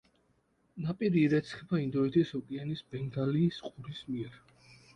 ნაპირი ირეცხება ინდოეთის ოკეანის ბენგალიის ყურის მიერ.